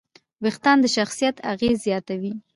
وېښتيان د شخصیت اغېز زیاتوي.